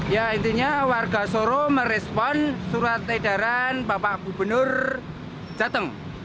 ya intinya warga soro merespon surat edaran bapak gubernur jateng